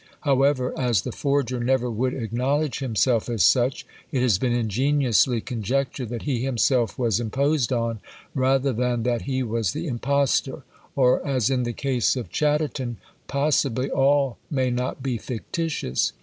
However, as the forger never would acknowledge himself as such, it has been ingeniously conjectured that he himself was imposed on, rather than that he was the impostor; or, as in the case of Chatterton, possibly all may not be fictitious.